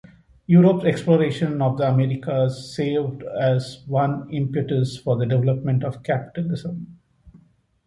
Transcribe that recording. Europe's exploration of the Americas served as one impetus for the development of capitalism.